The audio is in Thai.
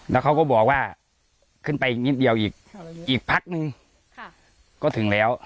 แล้วเขาก็บอกว่าขึ้นไปอีกนิดเดียวอีกอีกพักนึงก็ถึงแล้ว